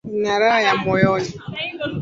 Nina raha moyoni